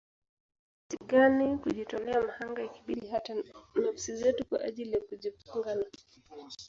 Jinsi gani kujitolea mhanga ikibidi hata nafsi zetu kwa ajili ya kujifunga na